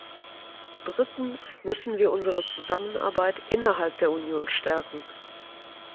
Drittens müssen wir unsere Zusammenarbeit innerhalb der Union stärken.